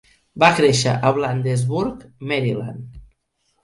Va créixer a Bladensburg, Maryland.